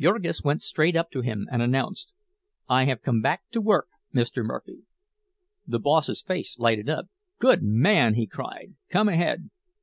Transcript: Jurgis went straight up to him and announced, "I have come back to work, Mr. Murphy." The boss's face lighted up. "Good man!" he cried. "Come ahead!"